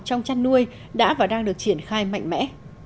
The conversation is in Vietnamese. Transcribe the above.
trong chăn nuôi đã và đang được triển khai mạnh mẽ